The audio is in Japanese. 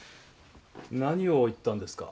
何を言ったんですか？